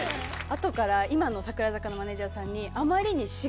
後から今の櫻坂のマネジャーさんに。